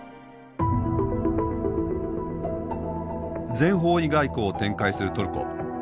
全方位外交を展開するトルコ。